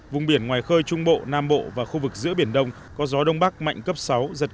vùng biển ngoài khơi trung bộ nam bộ và khu vực giữa biển đông có gió đông bắc mạnh cấp sáu giật cấp tám